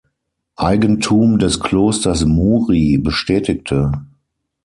Eigentum des Klosters Muri bestätigte.